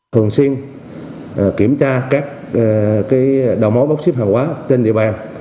thường xuyên kiểm tra các đầu mối bốc xếp hàng hóa trên địa bàn